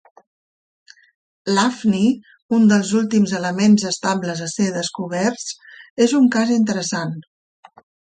L'hafni, un dels últims elements estables a ser descoberts, és un cas interessant.